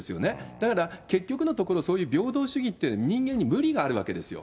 だから結局のところ、そういう平等主義って、人間に無理があるわけですよ。